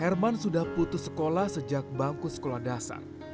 herman sudah putus sekolah sejak bangku sekolah dasar